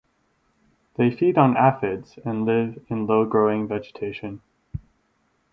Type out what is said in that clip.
They feed on aphids and live in low growing vegetation.